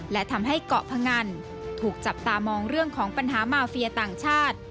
และทำให้เกาะพงันถูกจับตามองเรื่องของปัญหามาเฟียต่างชาติ